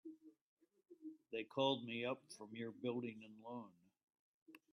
They called me up from your Building and Loan.